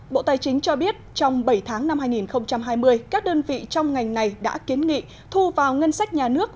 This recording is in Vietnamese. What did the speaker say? bộ tài chính cho biết trong bảy tháng năm hai nghìn hai mươi các đơn vị trong ngành này đã kiến nghị thu vào ngân sách nhà nước